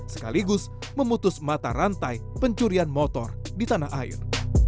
sekaligus memutus mata rantai pencurian motor di tanah air